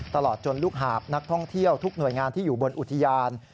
ตลอดจนลูกหาบนักท่องเที่ยวทุกหน่วยงานที่อยู่บนอุทยาน